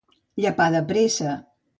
Llepar de pressa.